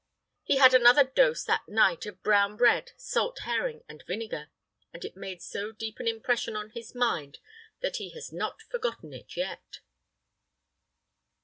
He had another dose that night of brown bread, salt herring, and vinegar, and it made so deep an impression on his mind that he has not forgotten it yet."